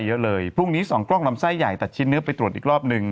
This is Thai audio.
เยอะเลยพรุ่งนี้สองกล้องลำไส้ใหญ่ตัดชิ้นเนื้อไปตรวจอีกรอบหนึ่ง